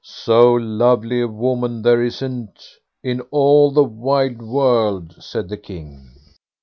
"So lovely a woman there isn't in all the wide world", said the King.